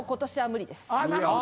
なるほど。